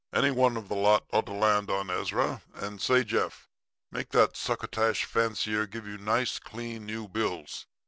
'Any one of the lot ought to land on Ezra. And say, Jeff, make that succotash fancier give you nice, clean, new bills.